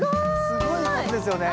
すごい数ですよね。